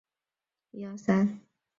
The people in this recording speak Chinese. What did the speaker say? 假青黄藤